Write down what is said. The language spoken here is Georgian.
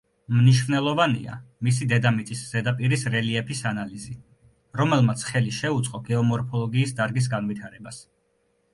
მნიშვნელოვანია მისი დედამიწის ზედაპირის რელიეფის ანალიზი, რომელმაც ხელი შეუწყო გეომორფოლოგიის დარგის განვითარებას.